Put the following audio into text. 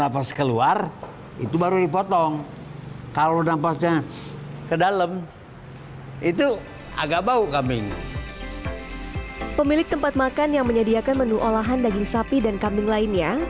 pemilik tempat makan yang menyediakan menu olahan daging sapi dan kambing lainnya